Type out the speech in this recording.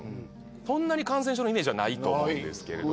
そんなに感染症のイメージはないと思うんですけど。